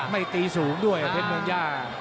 ไม่ตีสูงด้วยเผ็ดเมืองย่า